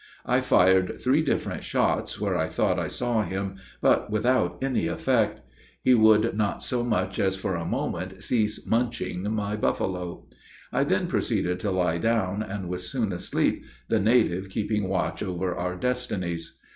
I fired three different shots where I thought I saw him, but without any effect; he would not so much as for a moment cease munching my buffalo. I then proceeded to lie down, and was soon asleep, the native keeping watch over our destinies.